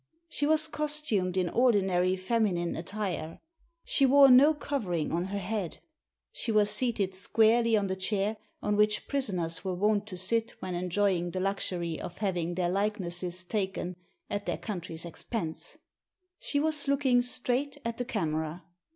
She was costumed in ordinary feminine attire. She wore no covering on her head. She was seated squarely on the chair on which prisoners were wont to sit when enjoying the luxury of having their likenesses taken at their country's expense. She was looking straight at the camera.